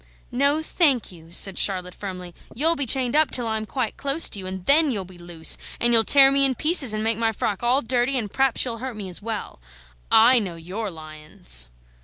"No, thank you," said Charlotte, firmly; "you'll be chained up till I'm quite close to you, and then you'll be loose, and you'll tear me in pieces, and make my frock all dirty, and p'raps you'll hurt me as well. I know your lions!"